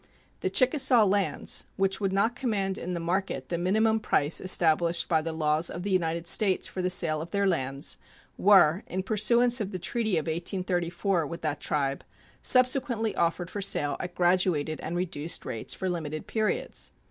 The Chickasaw lands, which would not command in the market the minimum price established by the laws of the United States for the sale of their lands, were, in pursuance of the treaty of 1834 with that tribe, subsequently offered for sale at graduated and reduced rates for limited periods.